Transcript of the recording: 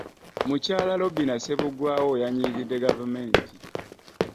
Mukyala Robinah Ssebugwawo yanyigidde Gavumenti